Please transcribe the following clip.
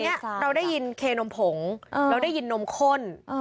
คือตอนนี้เราได้ยินเคนมผงเราได้ยินนมข้น